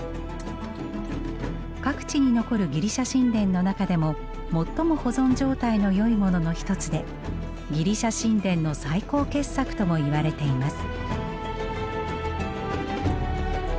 各地に残るギリシャ神殿の中でも最も保存状態のよいものの一つでギリシャ神殿の最高傑作とも言われています。